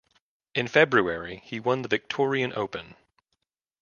In February he won the Victorian Open.